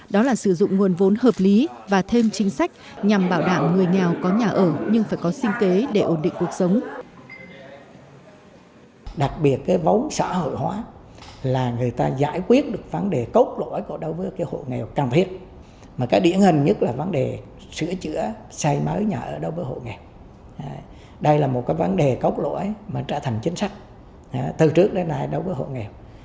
đó là sử dụng nguồn vốn hợp lý và thêm chính sách nhằm bảo đảm người nghèo có nhà ở nhưng phải có sinh kế để ổn định cuộc sống